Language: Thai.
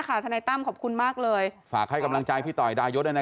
ทนายตั้มขอบคุณมากเลยฝากให้กำลังใจพี่ต่อยดายศด้วยนะ